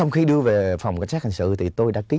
cảm ơn các bạn đã theo dõi